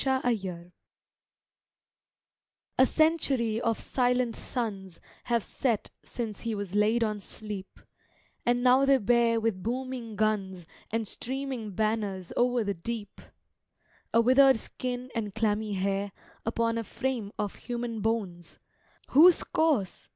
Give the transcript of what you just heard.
Paul Jones A century of silent suns Have set since he was laid on sleep, And now they bear with booming guns And streaming banners o'er the deep A withered skin and clammy hair Upon a frame of human bones: Whose corse?